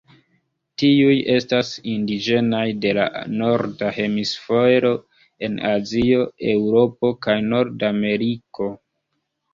Tiuj estas indiĝenaj de la Norda Hemisfero en Azio, Eŭropo kaj Nordameriko.